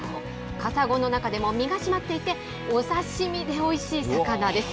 カサゴの中でも身がしまっていて、お刺身でおいしい魚です。